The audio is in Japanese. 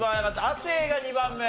亜生が２番目。